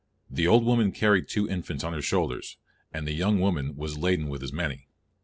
The old woman carried two infants on her shoulders, and the young woman was laden with as many.